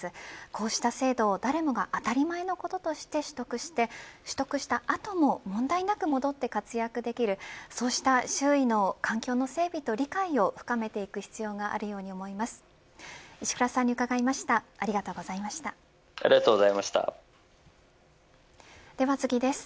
こうした制度を誰もが当たり前のこととして取得して取得した後も問題なく戻って活躍できるそうした周囲の環境の整備と理解を深めていく必要があるように思います。